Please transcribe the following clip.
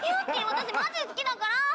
私マジ好きだから！」